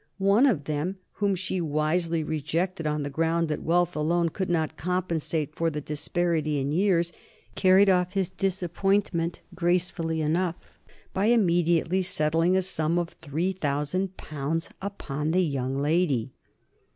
One of them, whom she wisely rejected on the ground that wealth alone could not compensate for the disparity in years, carried off his disappointment gracefully enough by immediately settling a sum of three thousand pounds upon the young lady.